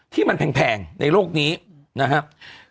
ที่มันแพงในโลกนี้นะครับ